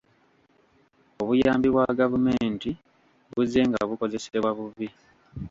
Obuyambi bwa gavumenti buzze nga bukozesebwa bubi.